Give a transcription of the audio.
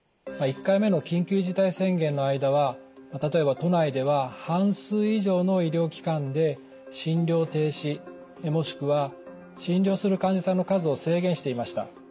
１回目の緊急事態宣言の間は例えば都内では半数以上の医療機関で診療停止もしくは診療する患者さんの数を制限していました。